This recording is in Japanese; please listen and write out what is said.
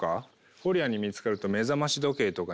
フォリアに見つかると目覚まし時計とかにされちまう。